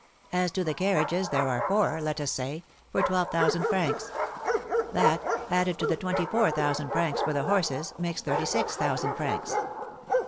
As to the carriages, there are four, let us say, for twelve thousand francs; that, added to the twenty four thousand francs for the horses, makes thirty six thousand francs.'